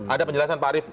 ada penjelasan pak arief